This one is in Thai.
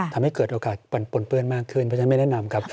ทำให้เกิดโอกาสปนเปื้อนมากขึ้นเพราะฉะนั้นไม่แนะนำครับ